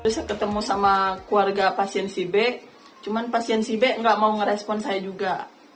saya ketemu sama keluarga pasien cibeteng cuman pasien cibeteng tidak mau merespon saya juga